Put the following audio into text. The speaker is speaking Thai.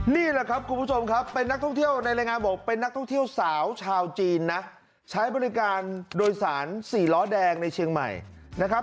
นี่แหละครับคุณผู้ชมครับเป็นนักท่องเที่ยวในรายงานบอกเป็นนักท่องเที่ยวสาวชาวจีนนะใช้บริการโดยสารสี่ล้อแดงในเชียงใหม่นะครับ